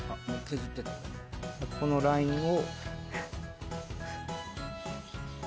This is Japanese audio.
このラインを。